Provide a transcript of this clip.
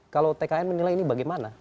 kalau tkn menilai ini bagaimana